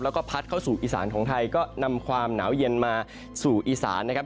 แล้วก็พัดเข้าสู่อีสานของไทยก็นำความหนาวเย็นมาสู่อีสานนะครับ